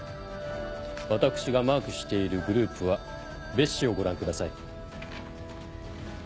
私がマークしているグループは別紙をご覧ください。